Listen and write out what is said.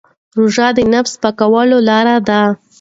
روژه د نفس د پاکوالي لاره ده.